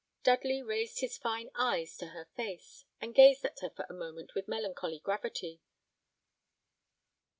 Dudley raised his fine eyes to her face, and gazed at her for a moment with melancholy gravity.